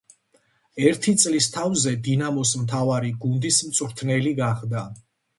ერთი წლის თავზე „დინამოს“ მთავარი გუნდის მწვრთნელი გახდა.